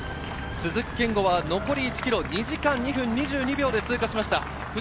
鈴木健吾は残り１ｋｍを２時間２分２２秒で通過しました。